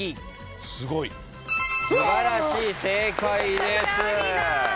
素晴らしい正解です。